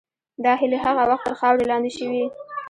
دا هیلې هغه وخت تر خاورې لاندې شوې.